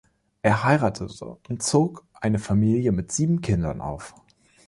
Er heiratete und zog eine Familie mit sieben Kindern auf.